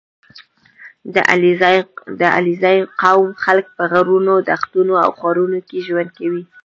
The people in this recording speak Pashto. • د علیزي قوم خلک په غرونو، دښتو او ښارونو کې ژوند کوي.